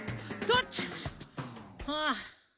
どっちはあ。